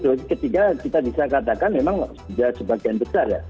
jadi kalau dosis ketiga cakupan untuk dosis ketiga kita bisa katakan memang sudah sebagian besar ya